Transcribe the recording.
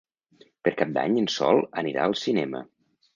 Per Cap d'Any en Sol anirà al cinema.